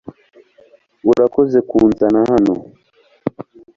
urakoze kunzana hano